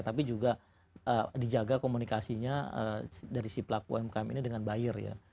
tapi juga dijaga komunikasinya dari si pelaku umkm ini dengan buyer ya